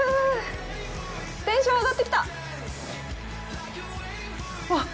テンション上がってきたっ。